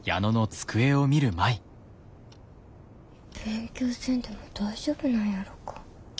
勉強せんでも大丈夫なんやろか。